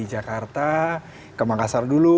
jakarta ke makassar dulu